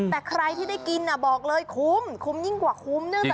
แต่ใครที่ได้กินบอกเลยคุ้มคุ้มยิ่งกว่าคุ้มเนื่องจาก